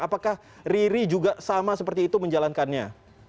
apakah riri juga sama seperti itu menjalankannya